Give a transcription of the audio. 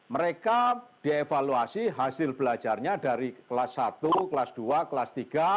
mereka dievaluasi hasil belajarnya dari kelas satu kelas dua kelas tiga